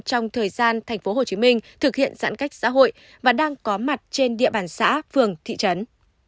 trong thời gian tp hcm thực hiện giãn cách xã hội và đang có mặt trên địa bàn xã phường thị trấn